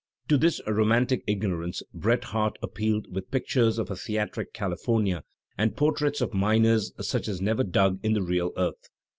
To this romantic ignorance Bret Harte appealed with pictures of a theatric California and portraits of miners such as never dug in the real earth.